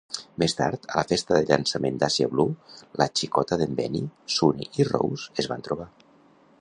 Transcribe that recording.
Més tard, a la festa de llançament d'Àsia Blue, la xicota d'en Benny, Sunny i Rose es van trobar.